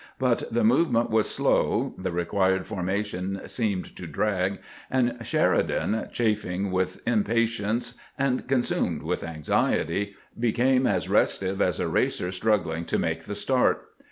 But the movement was slow, the re quired formation seemed to drag, and Sheridan, chafing with impatience and consumed with anxiety, became as restive as a racer struggling to make the start.